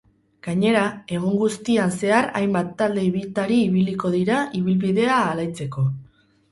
Gainera, egun guztian zehar hainbat talde ibiltari ibiliko dira ibilbidea alaitzeko.